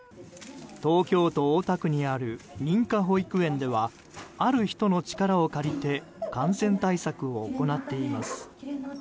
東京都大田区にある認可保育園ではある人の力を借りて感染対策を行っています。